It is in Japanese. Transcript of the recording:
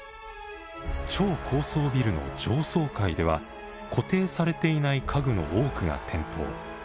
超高層ビルの上層階では固定されていない家具の多くが転倒。